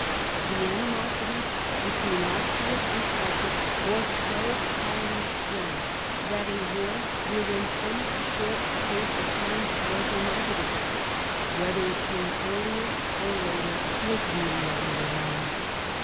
The animosity between Austria and Prussia was so highly strung that a war within some short space of time was inevitable ; 122 MARIA THERESA chap, vi whether it came earlier or later was really of little moment.